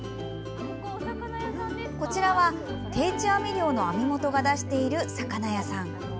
こちらは、定置網漁の網元が出している魚屋さん。